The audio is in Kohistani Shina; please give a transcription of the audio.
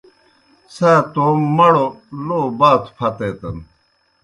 څھا توموْ مڑوْ لو باتوْ پھتیتَن۔